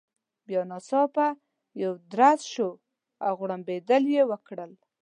بیا ناڅاپه یو درز شو، او غړمبېدل يې وکړل.